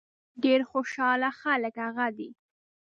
ډېر خوشاله خلک هغه دي.